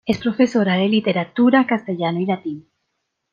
Es Profesora de Literatura, Castellano y Latín.